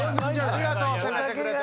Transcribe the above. ありがとう攻めてくれて。